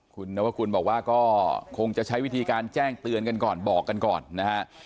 คุณนวกุลบอกว่าก็คงจะใช้วิธีการแจ้งเตือนกันก่อนบอกกันก่อนนะฮะ